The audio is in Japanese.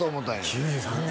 ９３年？